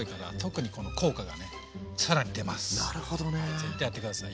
絶対やって下さい。